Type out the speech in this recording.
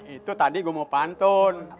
itu tadi gue mau pantun